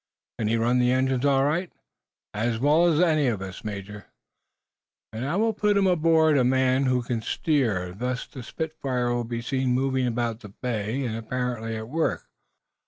"Can he run the engines all right?" "As well as any of us, Major." "Then I will put aboard a man who can steer. Thus the 'Spitfire' will be seen moving about the bay, and apparently at work.